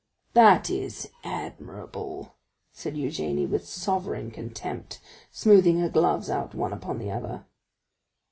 "That is admirable!" said Eugénie with sovereign contempt, smoothing her gloves out one upon the other.